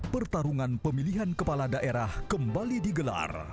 pertarungan pemilihan kepala daerah kembali digelar